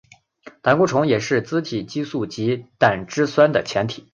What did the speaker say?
胆固醇也是甾体激素及胆汁酸的前体。